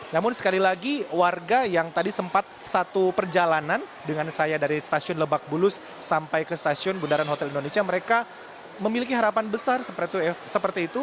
namun sekali lagi warga yang tadi sempat satu perjalanan dengan saya dari stasiun lebak bulus sampai ke stasiun bundaran hotel indonesia mereka memiliki harapan besar seperti itu